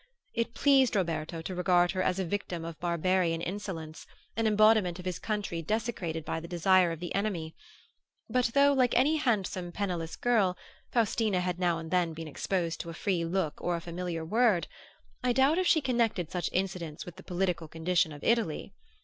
It pleased Roberto to regard her as a victim of barbarian insolence, an embodiment of his country desecrated by the desire of the enemy; but though, like any handsome penniless girl, Faustina had now and then been exposed to a free look or a familiar word, I doubt if she connected such incidents with the political condition of Italy.